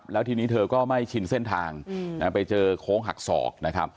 แล้วทีนี้เธอก็ไม่ชินเส้นทางไปเจอโค้งหักศอกนะครับ